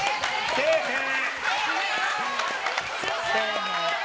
せえへん。